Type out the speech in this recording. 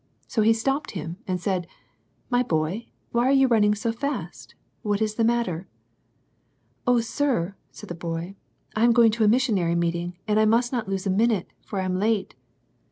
So he stopped him, and said, " My boy, why are you running so fast ? What is the matter ?"" O sir," said the boy, "I am going to a missionary meeting, and I must not lose a minute, for I am late."